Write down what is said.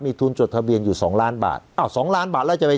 ทุนจดทะเบียนอยู่สองล้านบาทอ้าวสองล้านบาทแล้วจะไป